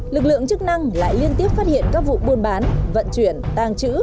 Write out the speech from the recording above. lực lượng chức năng lại liên tiếp phát hiện các vụ buôn bán vận chuyển tàng trữ